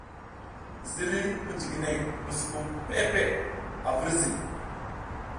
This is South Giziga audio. Ziriy mijiginey buskum peʼe peʼe a virzi.